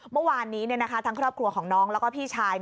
เมื่อวานนี้ทั้งครอบครัวของน้องแล้วก็พี่ชาย